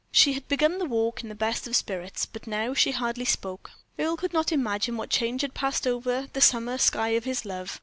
She had begun the walk in the best of spirits, but now she hardly spoke. Earle could not imagine what change had passed over the summer sky of his love.